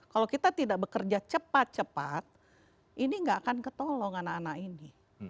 kalau kita tidak bekerja cepat cepat ini nggak akan ketolong anak anak ini